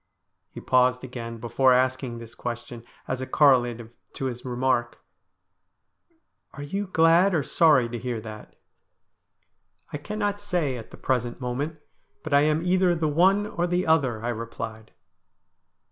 He paused again before asking this question, as a correlative to his remark :' Are you glad or sorry to hear that ?'' I cannot say at the present moment, but I am either the THE STORY OF A HANGED MAN 279 one or the other,' I replied.